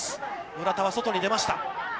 村田は外に出ました。